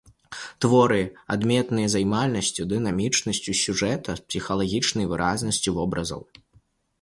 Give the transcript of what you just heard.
Творы адметныя займальнасцю, дынамічнасцю сюжэта, псіхалагізмам, выразнасцю вобразаў.